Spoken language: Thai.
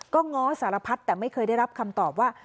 ก็ง้อสารพัดแต่ไม่เคยได้รับคำตอบว่า